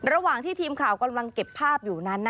ระหว่างที่ทีมข่าวกำลังเก็บภาพอยู่นั้น